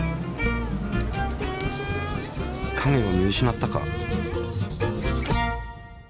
影を見失ったか。